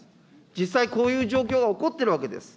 実際こういう状況が起こってるです。